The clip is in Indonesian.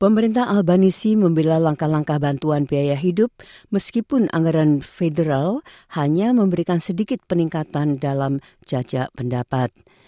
pemerintah albanisi membela langkah langkah bantuan biaya hidup meskipun anggaran federal hanya memberikan sedikit peningkatan dalam jajak pendapat